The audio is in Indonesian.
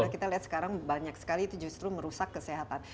karena kita lihat sekarang banyak sekali itu justru merusak kesehatan